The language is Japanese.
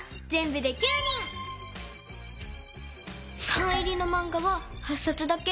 サイン入りのマンガは８さつだけ。